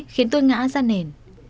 khiến tôi ngã ra nền